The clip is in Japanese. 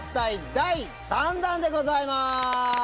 第３弾でございます。